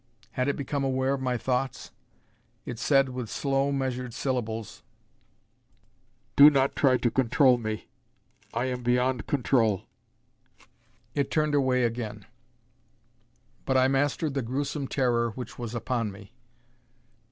Had it become aware of my thoughts? It said with slow measured syllables, "Do not try to control me. I am beyond control." It turned away again; but I mastered the gruesome terror which was upon me.